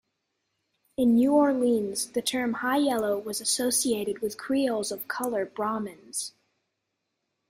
In New Orleans, the term "high-yellow" was associated with Creoles of colour "brahmins".